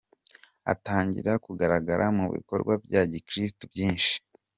Atangira kugaragara mu bikorwa bya gikristu byinshi.